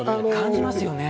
感じますよね。